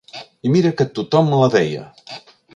I mira que tothom la deia!